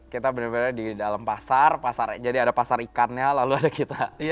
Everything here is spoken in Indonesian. kita benar benar di dalam pasar pasar jadi ada pasar ikannya lalu ada kita